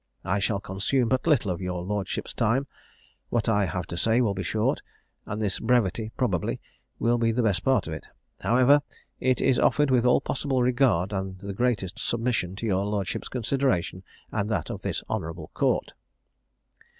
I shall consume but little of your lordship's time: what I have to say will be short; and this brevity, probably, will be the best part of it: however, it is offered with all possible regard and the greatest submission to your lordship's consideration, and that of this honourable court.